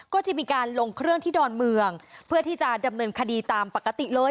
ก็จะมีการลงเครื่องที่ดอนเมืองเพื่อที่จะดำเนินคดีตามปกติเลย